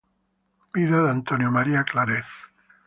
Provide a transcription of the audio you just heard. Vida de San Antonio María Claret".